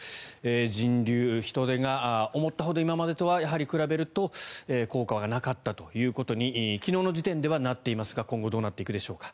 人流、人出が思ったほど今までと比べると効果はなかったということに昨日の時点ではなっていますが今後はどうなっていくでしょうか。